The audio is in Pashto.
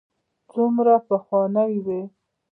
څومره پخواني یو.